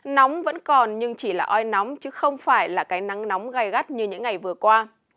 nóng vẫn còn nhưng chỉ là oi nóng chứ không phải là cái nắng nóng gai gắt như những ngày vừa qua